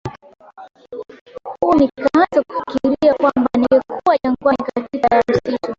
huo nikaanza kufikiria kwamba ningekuwa jangwani katika ya msitu